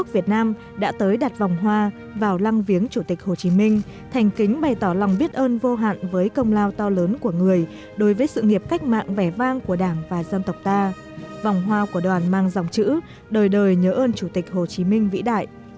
vòng hoa vào lăng viếng chủ tịch hồ chí minh thành kính bày tỏ lòng biết ơn vô hạn với công lao to lớn của người đối với sự nghiệp cách mạng vẻ vang của đảng và dân tộc ta vòng hoa của đoàn mang dòng chữ đời đời nhớ ơn chủ tịch hồ chí minh vĩ đại